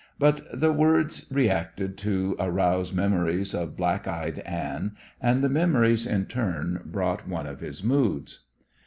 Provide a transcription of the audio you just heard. But the words reacted to arouse memories of black eyed Anne, and the memories in turn brought one of his moods.